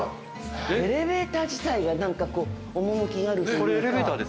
エレベーター自体が何か趣があるというか。